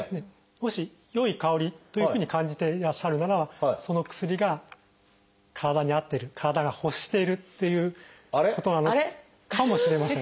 もし良い香りというふうに感じていらっしゃるならその薬が体に合ってる体が欲しているっていうことなのかもしれません。